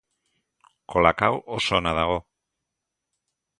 Kolakao oso ona dago